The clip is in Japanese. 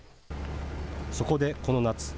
そこで、この夏。